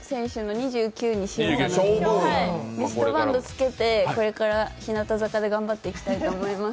リストバンドつけてこれから日向坂で頑張っていきたいと思います。